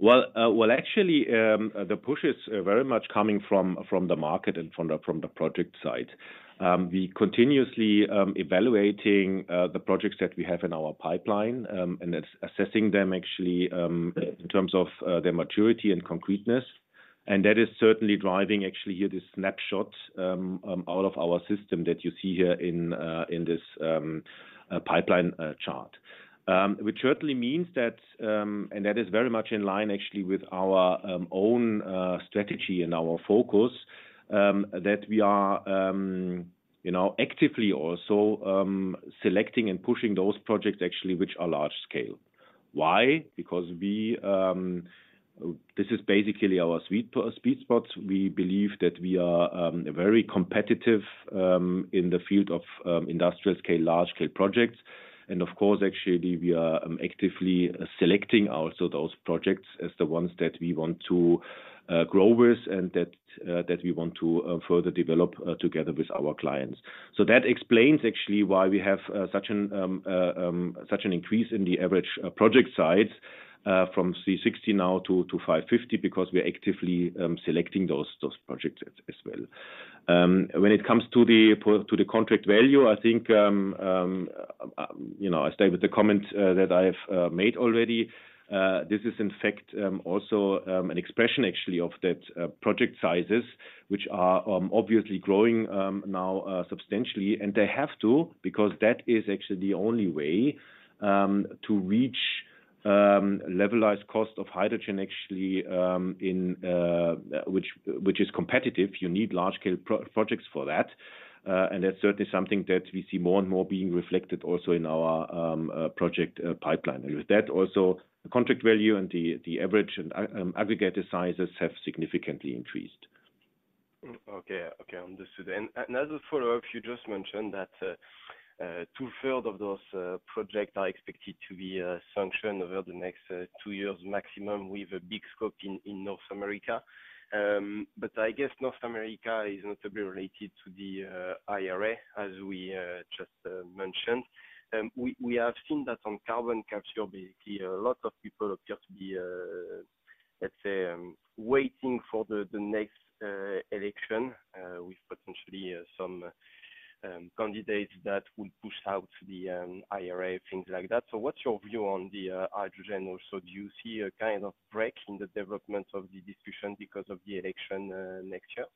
B: Well, well, actually, the push is very much coming from, from the market and from the, from the project side. We continuously evaluating the projects that we have in our pipeline, and that's assessing them actually, in terms of, their maturity and concreteness. And that is certainly driving actually here, this snapshot out of our system that you see here in, in this, pipeline chart. Which certainly means that... And that is very much in line actually with our, own, strategy and our focus, that we are, you know, actively also, selecting and pushing those projects actually, which are large scale. Why? Because we, this is basically our sweet spots. We believe that we are very competitive in the field of industrial scale, large-scale projects. Of course, actually, we are actively selecting also those projects as the ones that we want to grow with, and that that we want to further develop together with our clients. That explains actually why we have such an increase in the average project size from 360 now to 550, because we are actively selecting those projects as well. When it comes to the contract value, I think you know, I stay with the comment that I have made already. This is in fact also an expression actually of that project sizes, which are obviously growing now substantially. They have to, because that is actually the only way to reach levelized cost of hydrogen actually in which is competitive. You need large-scale projects for that. And that's certainly something that we see more and more being reflected also in our project pipeline. And with that also, contract value and the average and aggregated sizes have significantly increased.
G: Okay, okay, understood. And as a follow-up, you just mentioned that two-thirds of those projects are expected to be sanctioned over the next two years maximum, with a big scope in North America. But I guess North America is notably related to the IRA, as we just mentioned. We have seen that on carbon capture, basically, a lot of people appear to be, let's say, waiting for the next election with potentially some candidates that would push out the IRA, things like that. So what's your view on the hydrogen also? Do you see a kind of break in the development of the discussion because of the election next year?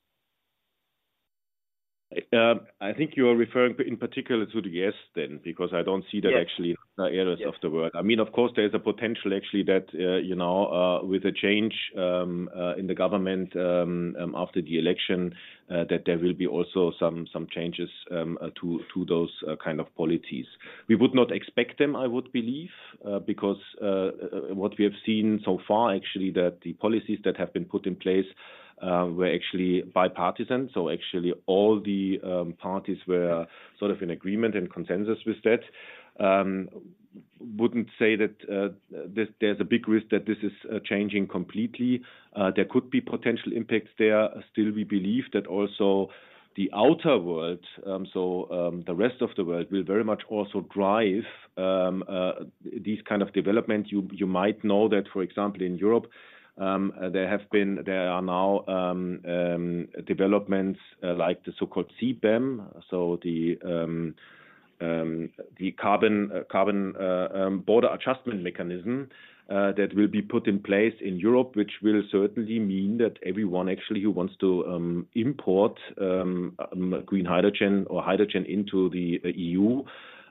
B: I think you are referring in particular to the U.S. then, because I don't see that actually-
G: Yes...
B: areas of the world. I mean, of course, there is a potential actually that you know with a change in the government after the election that there will be also some changes to those kind of policies. We would not expect them, I would believe, because what we have seen so far actually that the policies that have been put in place were actually bipartisan. So actually all the parties were sort of in agreement and consensus with that. Wouldn't say that there's a big risk that this is changing completely. There could be potential impacts there. Still, we believe that also the outer world so the rest of the world will very much also drive these kind of developments. You might know that, for example, in Europe, there have been—there are now developments like the so-called CBAM. So the carbon border adjustment mechanism that will be put in place in Europe, which will certainly mean that everyone actually who wants to import green hydrogen or hydrogen into the EU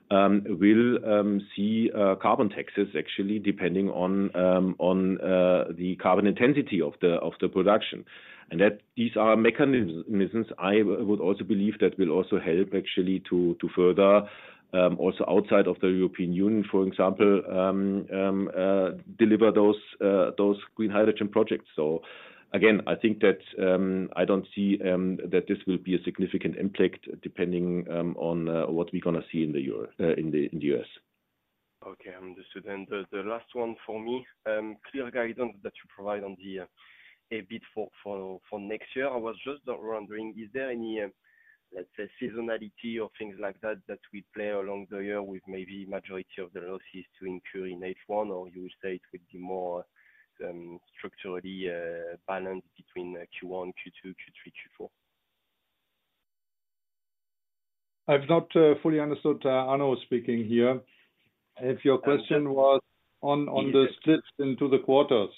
B: will see carbon taxes actually, depending on the carbon intensity of the production. And that these are mechanisms. I would also believe that will also help actually to further also outside of the European Union, for example, deliver those green hydrogen projects. So again, I think that, I don't see, that this will be a significant impact depending, on, what we're gonna see in the Euro-- in the, in the US....
G: Okay, understood. And the last one for me, clear guidance that you provide on the EBIT for next year. I was just wondering, is there any, let's say, seasonality or things like that, that we play along the year with maybe majority of the losses to incur in H1? Or you would say it would be more, structurally, balanced between Q1, Q2, Q3, Q4?
C: I've not fully understood. Arno speaking here. If your question was on the splits into the quarters.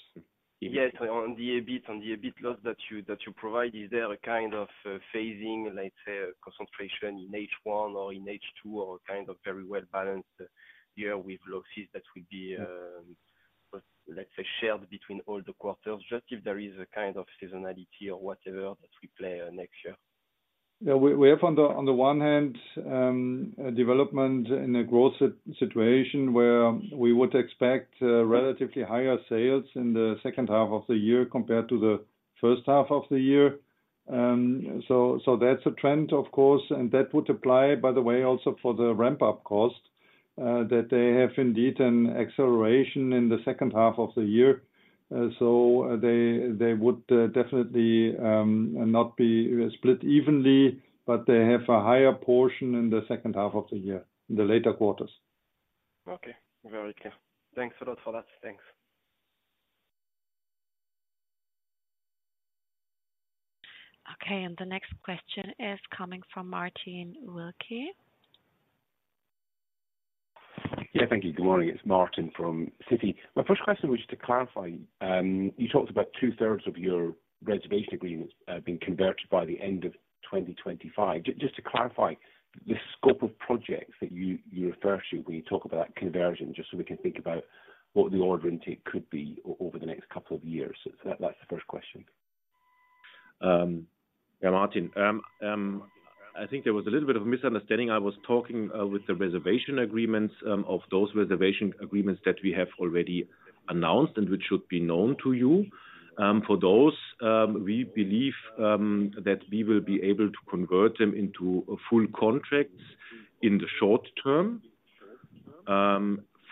G: Yes. On the EBIT, on the EBIT loss that you, that you provide, is there a kind of phasing, let's say, concentration in H1 or in H2, or kind of very well balanced year with losses that would be, let's say, shared between all the quarters? Just if there is a kind of seasonality or whatever that we play next year.
C: Yeah. We have on the one hand a development in a growth situation where we would expect relatively higher sales in the second half of the year compared to the first half of the year. So that's a trend, of course, and that would apply, by the way, also for the ramp-up cost that they have indeed an acceleration in the second half of the year. So they would definitely not be split evenly, but they have a higher portion in the second half of the year, in the later quarters.
G: Okay. Very clear. Thanks a lot for that. Thanks.
D: Okay, and the next question is coming from Martin Wilkie.
H: Yeah, thank you. Good morning, it's Martin from Citi. My first question was just to clarify, you talked about two-thirds of your reservation agreements being converted by the end of 2025. Just to clarify, the scope of projects that you, you refer to when you talk about conversion, just so we can think about what the order intake could be over the next couple of years. So that, that's the first question.
B: Yeah, Martin, I think there was a little bit of a misunderstanding. I was talking with the reservation agreements of those reservation agreements that we have already announced, and which should be known to you. For those, we believe that we will be able to convert them into full contracts in the short term.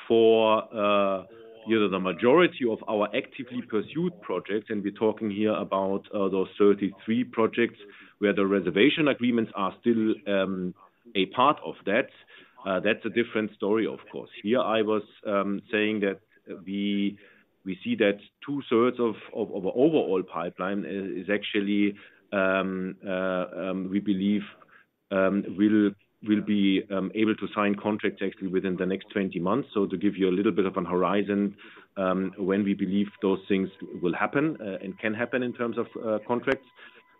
B: For you know, the majority of our actively pursued projects, and we're talking here about those 33 projects, where the reservation agreements are still a part of that. That's a different story, of course. Here I was saying that we see that two-thirds of our overall pipeline is actually we believe we'll be able to sign contracts actually within the next 20 months. So to give you a little bit of a horizon, when we believe those things will happen, and can happen in terms of, contracts.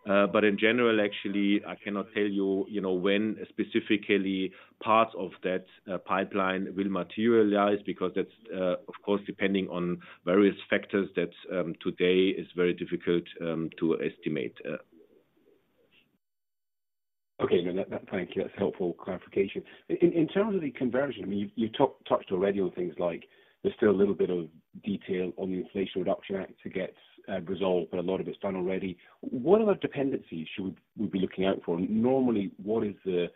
B: But in general, actually, I cannot tell you, you know, when specifically parts of that, pipeline will materialize, because that's, of course, depending on various factors that, today is very difficult, to estimate.
H: Okay. Thank you. That's helpful clarification. In terms of the conversion, I mean, you've touched already on things like there's still a little bit of detail on the Inflation Reduction Act to get resolved, but a lot of it's done already. What other dependencies should we be looking out for? Normally, what is the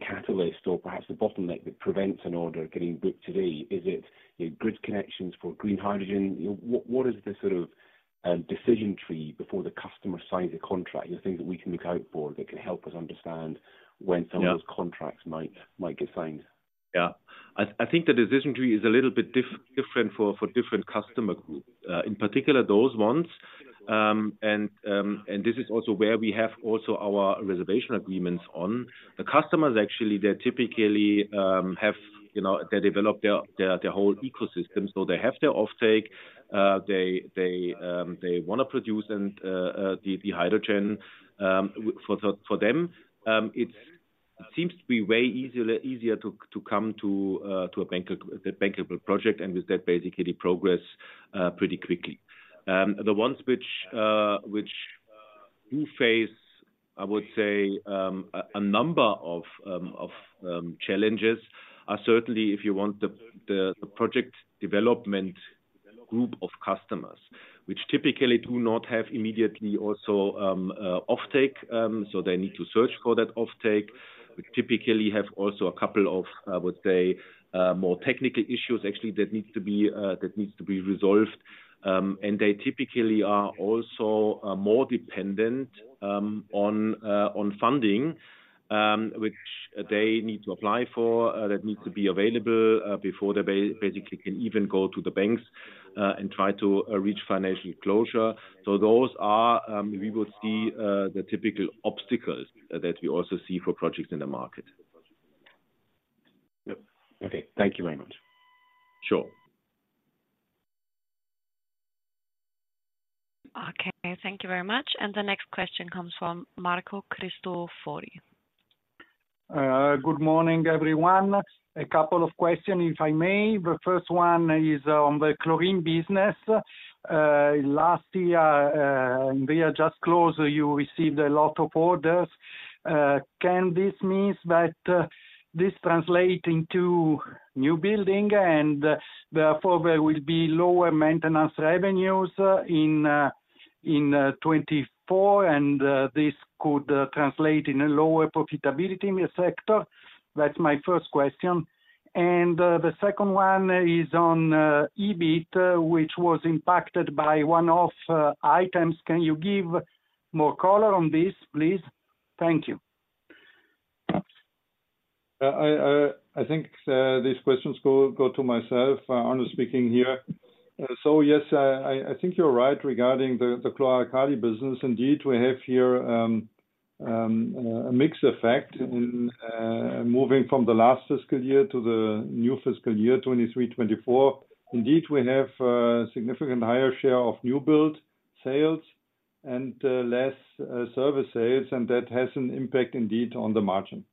H: catalyst or perhaps the bottleneck that prevents an order getting booked today? Is it, you know, grid connections for green hydrogen? You know, what is the sort of decision tree before the customer signs a contract, the things that we can look out for that can help us understand when some-
B: Yeah...
H: of those contracts might get signed?
B: Yeah. I think the decision tree is a little bit different for different customer group. In particular, those ones, and this is also where we have our reservation agreements on. The customers, actually, they typically have, you know, they develop their whole ecosystem, so they have their offtake. They want to produce and the hydrogen. For them, it seems to be way easier to come to a bankable project, and with that, basically progress pretty quickly. The ones which do face, I would say, a number of challenges, are certainly, if you want, the project development group of customers, which typically do not have immediately also offtake. So they need to search for that offtake, which typically have also a couple of, I would say, more technical issues, actually, that needs to be resolved. And they typically are also more dependent on funding, which they need to apply for, that needs to be available, before they basically can even go to the banks and try to reach financial closure. So those are, we would see, the typical obstacles that we also see for projects in the market.
H: Yep. Okay. Thank you very much.
B: Sure.
D: Okay, thank you very much. The next question comes from Marco Cristofori.
I: Good morning, everyone. A couple of questions, if I may. The first one is on the chlorine business. Last year, and the year just closed, you received a lot of orders. Can this means that, this translate into new building and therefore there will be lower maintenance revenues in 2024, and, this could, translate in a lower profitability in the sector? That's my first question. And, the second one is on EBIT, which was impacted by one-off items. Can you give more color on this, please? Thank you.
C: I think these questions go to myself. Arno speaking here. So yes, I think you're right regarding the chlor-alkali business. Indeed, we have here a mix effect in moving from the last fiscal year to the new fiscal year, 2023, 2024. Indeed, we have a significant higher share of new build sales and less service sales, and that has an impact, indeed, on the margin.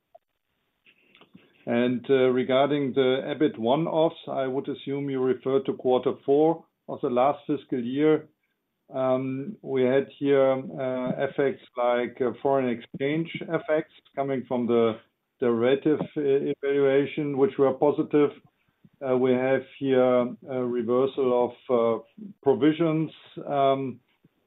C: And regarding the EBIT one-offs, I would assume you refer to quarter four of the last fiscal year. We had here effects like foreign exchange effects coming from the derivative re-evaluation, which were positive. We have here a reversal of provisions,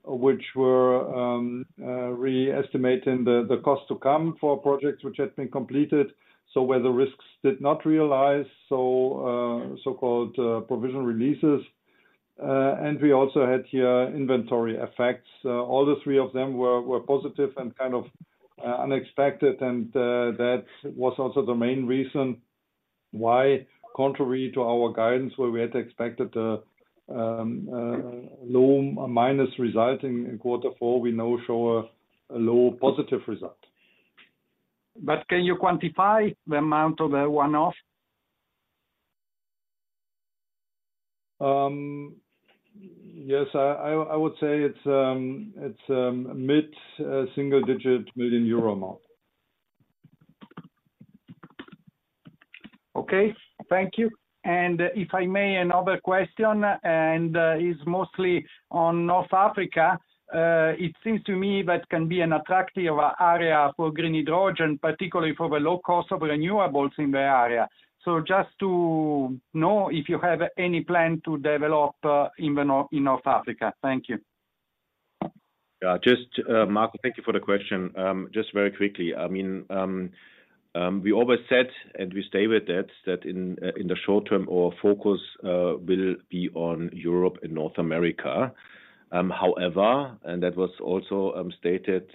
C: which were re-estimating the cost to come for projects which had been completed. So where the risks did not realize, so-called provision releases. And we also had here inventory effects. All the three of them were positive and kind of unexpected, and that was also the main reason why, contrary to our guidance, where we had expected a low minus result in quarter four, we now show a low positive result.
I: Can you quantify the amount of the one-off?
C: Yes, I would say it's a mid-single-digit million EUR amount.
I: Okay, thank you. And if I may, another question, and is mostly on North Africa. It seems to me that can be an attractive area for green hydrogen, particularly for the low cost of renewables in the area. So just to know if you have any plan to develop in North Africa. Thank you.
B: Yeah, just Marco, thank you for the question. Just very quickly, I mean, we always said, and we stay with that, that in the short term, our focus will be on Europe and North America. However, and that was also stated,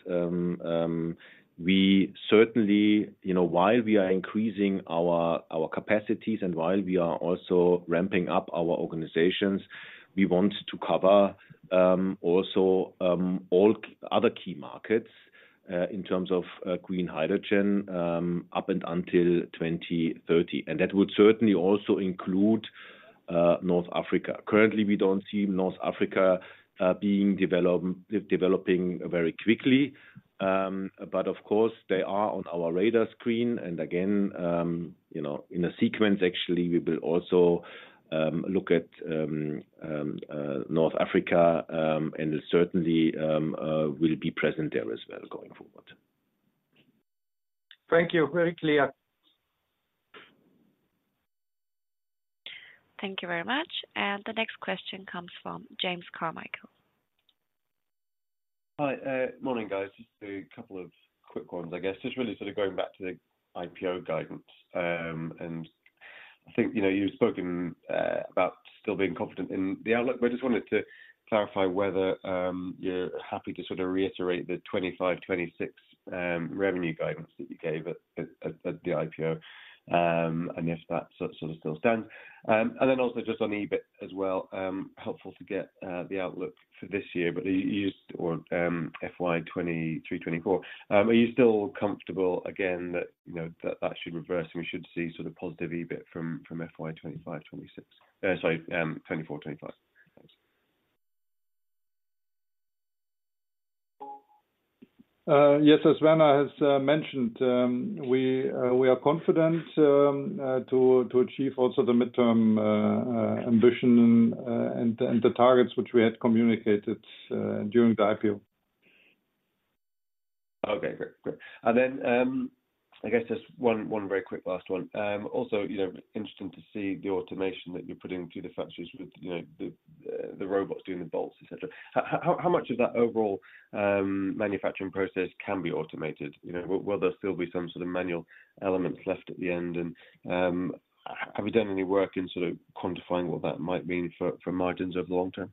B: we certainly, you know, while we are increasing our capacities and while we are also ramping up our organizations, we want to cover also all other key markets in terms of green hydrogen up until 2030. And that would certainly also include North Africa. Currently, we don't see North Africa being developing very quickly. But of course, they are on our radar screen, and again, you know, in a sequence, actually, we will also look at North Africa, and certainly will be present there as well going forward.
I: Thank you. Very clear.
D: Thank you very much. The next question comes from James Carmichael.
J: Hi, morning, guys. Just a couple of quick ones, I guess, just really sort of going back to the IPO guidance. And I think, you know, you've spoken about still being confident in the outlook, but I just wanted to clarify whether you're happy to sort of reiterate the 2025-2026 revenue guidance that you gave at the IPO, and if that sort of still stands. And then also just on EBIT as well, helpful to get the outlook for this year, but you used—or, FY 2023-2024. Are you still comfortable again, that, you know, that that should reverse, and we should see sort of positive EBIT from FY 2025-2026? Sorry, 2024-2025. Thanks.
C: Yes, as Werner has mentioned, we are confident to achieve also the midterm ambition and the targets which we had communicated during the IPO.
J: Okay, great. Great. And then, I guess just one, one very quick last one. Also, you know, interesting to see the automation that you're putting through the factories with, you know, the, the robots doing the bolts, et cetera. How, how, how much of that overall, manufacturing process can be automated? You know, will, will there still be some sort of manual elements left at the end? And, have you done any work in sort of quantifying what that might mean for, for margins over the long term?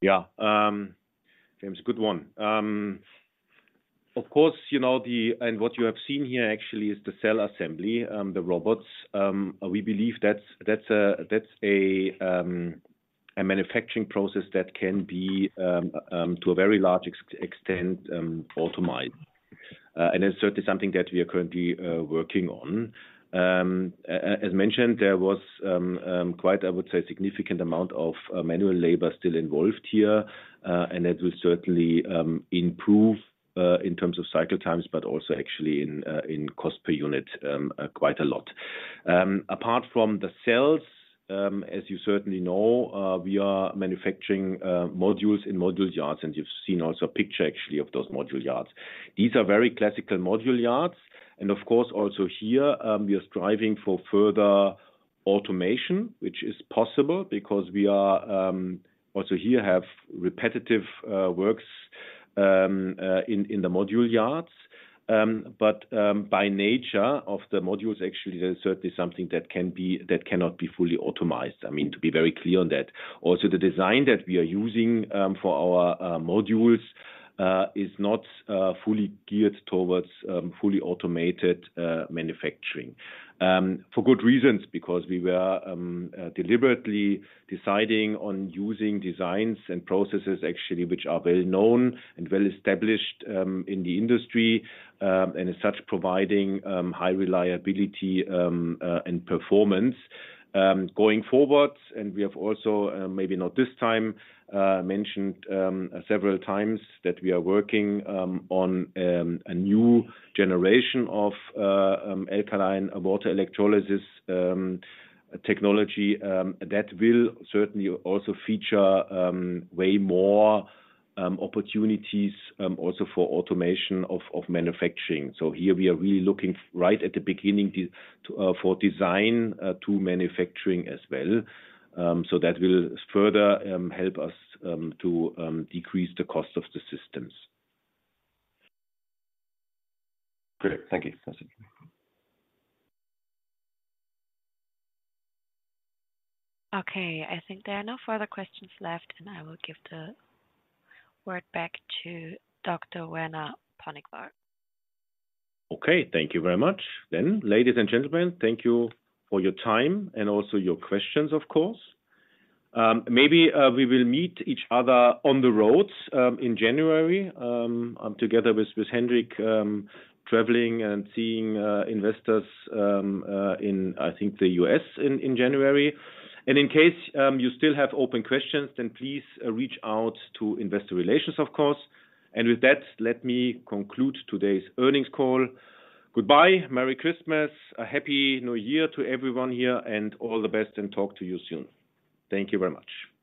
B: Yeah, James, good one. Of course, you know, what you have seen here actually is the cell assembly, the robots. We believe that's a manufacturing process that can be to a very large extent automated, and it's certainly something that we are currently working on. As mentioned, there was quite, I would say, significant amount of manual labor still involved here, and that will certainly improve in terms of cycle times, but also actually in cost per unit quite a lot. Apart from the cells, as you certainly know, we are manufacturing modules in module yards, and you've seen also a picture actually of those module yards. These are very classical module yards, and of course, also here, we are striving for automation, which is possible because we are also here have repetitive works in the module yards. But by nature of the modules, actually, there's certainly something that cannot be fully automated. I mean, to be very clear on that. Also, the design that we are using for our modules is not fully geared towards fully automated manufacturing. For good reasons, because we were deliberately deciding on using designs and processes actually, which are well known and well established in the industry, and as such, providing high reliability and performance. Going forward, and we have also, maybe not this time, mentioned several times that we are working on a new generation of Alkaline Water Electrolysis technology that will certainly also feature way more opportunities also for automation of manufacturing. So here we are really looking right at the beginning to for design to manufacturing as well. So that will further help us to decrease the cost of the systems.
E: Great. Thank you.
D: Okay, I think there are no further questions left, and I will give the word back to Dr. Werner Ponikwar.
B: Okay, thank you very much. Then, ladies and gentlemen, thank you for your time and also your questions, of course. Maybe we will meet each other on the roads in January together with Hendrik traveling and seeing investors in, I think, the U.S. in January. In case you still have open questions, then please reach out to investor relations, of course. With that, let me conclude today's earnings call. Goodbye, merry Christmas, a happy New Year to everyone here, and all the best, and talk to you soon. Thank you very much.